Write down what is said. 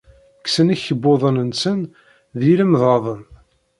Kksen ikebbuḍen-nsen d yilemḍaden.